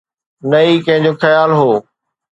نه ئي ڪنهن جو خيال هو